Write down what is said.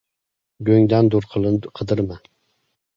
• Go‘ngdan dur qidirma.